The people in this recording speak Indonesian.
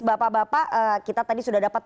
bapak bapak kita tadi sudah dapat